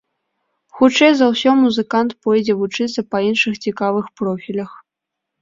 Хутчэй за ўсё музыкант пойдзе вучыцца па іншых цікавых профілях.